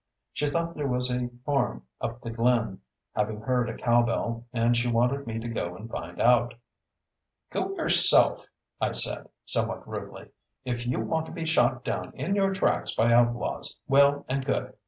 She thought there was a farm up the glen, having heard a cow bell, and she wanted me to go and find out. "Go yourself!" I said somewhat rudely. "If you want to be shot down in your tracks by outlaws, well and good.